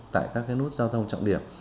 tại các nút giao thông trọng điểm